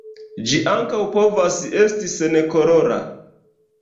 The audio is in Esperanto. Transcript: Ĝi ankaŭ povas esti senkolora.